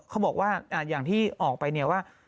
เขาบอกว่าอย่างที่ออกไป